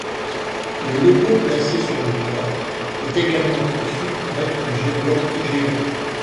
Le logo placé sur le toit est également conçu pour être une girouette géante.